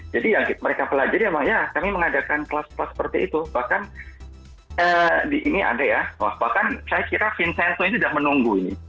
jadi mereka pelajari ya kami mengadakan kelas kelas seperti itu bahkan di sini ada ya bahkan saya kira vincenzo ini sudah menunggu ini